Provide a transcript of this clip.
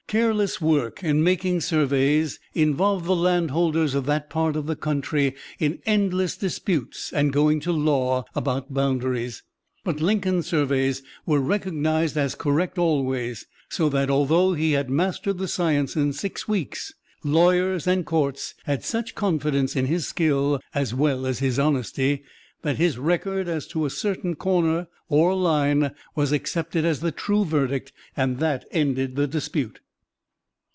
Careless work in making surveys involved the landholders of that part of the country in endless disputes and going to law about boundaries. But Lincoln's surveys were recognized as correct always, so that, although he had mastered the science in six weeks, lawyers and courts had such confidence in his skill, as well as his honesty, that his record as to a certain corner or line was accepted as the true verdict and that ended the dispute.